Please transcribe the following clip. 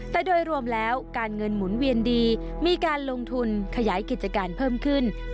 แต่โดยรวมแล้วการเงินหมุนเวียนดีมีการลงทุนขยายกิจการเพิ่มขึ้น